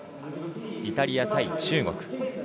イタリア対中国。